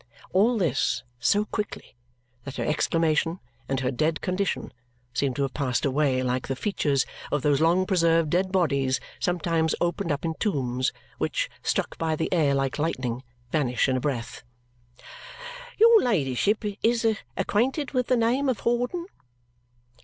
All this, so quickly, that her exclamation and her dead condition seem to have passed away like the features of those long preserved dead bodies sometimes opened up in tombs, which, struck by the air like lightning, vanish in a breath. "Your ladyship is acquainted with the name of Hawdon?"